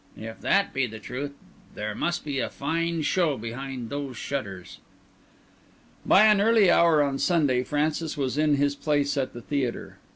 If that be the truth, there must be a fine show behind those shutters." By an early hour on Sunday Francis was in his place at the theatre.